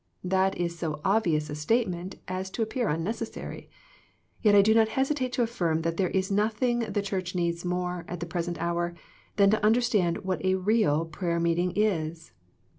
That is so obvious a statement as to appear unnecessary. Yet 1 do not hesitate to affirm that there is nothing the Church needs more at the present hour than to understand what a real prayer meeting is.